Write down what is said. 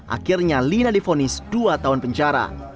akhirnya lina difonis dua tahun penjara